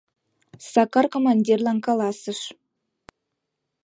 Сакар командирлан каласыш: